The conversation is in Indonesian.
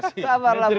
sabarlah bung boni